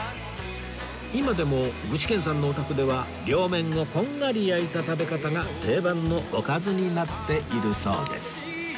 今でも具志堅さんのお宅では両面をこんがり焼いた食べ方が定番のおかずになっているそうです